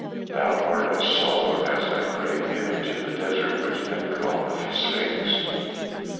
thou art as solemn as that great image in the desert which men call the sphinx."